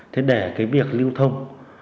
thế để cái việc lưu thông